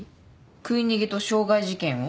食い逃げと傷害事件を？